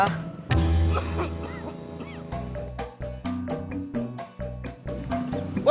bukan buat beli obat batuk